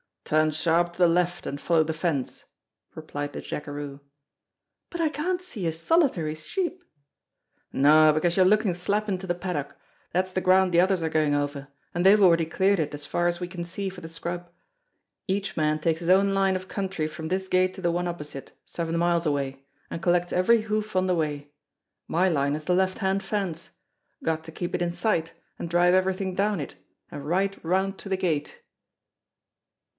"Turn sharp to the left, and follow the fence," replied the jackeroo. "But I can't see a solitary sheep!" "No, because you're looking slap into the paddock; that's the ground the others are going over, and they've already cleared it as far as we can see for the scrub. Each man takes his own line of country from this gate to the one opposite seven miles away and collects every hoof on the way. My line is the left hand fence. Got to keep it in sight, and drive everything down it, and right round to the gate."